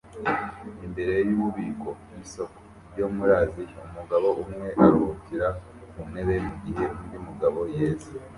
Imbere yububiko bwisoko ryo muri Aziya umugabo umwe aruhukira ku ntebe mugihe undi mugabo yeza